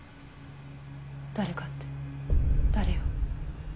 誰かって誰よ？